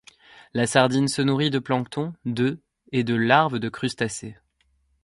La sardine se nourrit de plancton, d'œufs et de larves de crustacés.